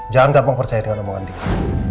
jangan gampang percaya dengan omongan diki